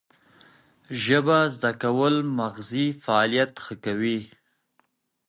ژبه زده کول د مغزي فعالیت ښه کوي.